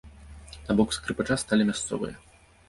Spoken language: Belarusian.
На бок скрыпача сталі мясцовыя.